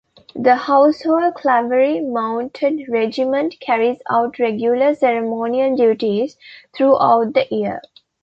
The Household Cavalry Mounted Regiment carries out regular ceremonial duties throughout the year.